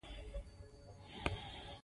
خدمت د لاسرسي په اصل ولاړ وي.